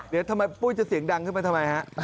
เดี๋ยวทำไมปุ้ยจะเสียงดังขึ้นไปทำไมฮะ